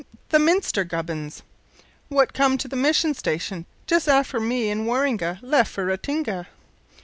The min'ster Gubbins what come to the mission station just afore me an' Waroonga left for Ratinga."